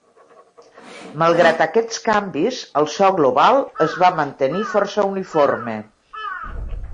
Malgrat aquests canvis, el so global es va mantenir força uniforme.